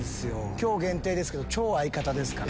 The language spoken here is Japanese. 今日限定で超相方ですから。